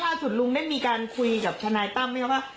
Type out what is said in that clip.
เขามุ่งเป้าเทวดานางฟ้า